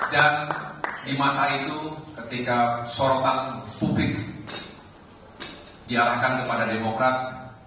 dan di masa itu ketika sorotan publik diarahkan kepada demokrat